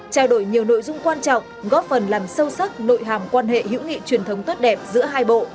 trao đổi nhiều nội dung quan trọng góp phần làm sâu sắc nội hàm quan hệ hữu nghị truyền thống tốt đẹp giữa hai bộ